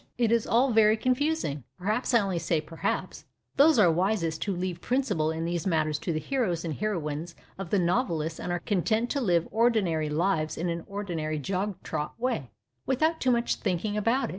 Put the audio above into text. It is all very confusing. Perhaps — I only say perhaps — those are wisest who leave " principle " in these matters to the heroes and heroines of the novelists and are content to live ordinary lives in an ordinary jog trot way, \\'ithout too much thinking about it.